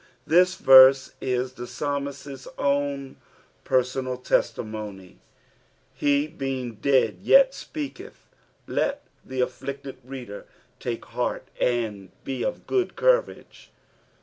This verse is the psalmist's own personal testimony : he being dead yet speaketh. Let the afflicted reader take heart and be of aaoA courage.